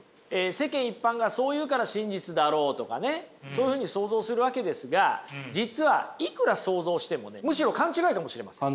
世間一般がそう言うから真実だろうとかそういうふうに想像するわけですが実はいくら想像してもねむしろ勘違いかもしれません。